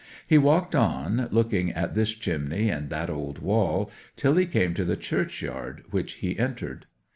He walked on, looking at this chimney and that old wall, till he came to the churchyard, which he entered.